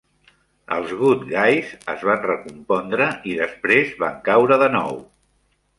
Els "Good Guys" es van recompondre i després van caure de nou.